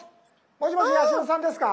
もしもし八代さんですか？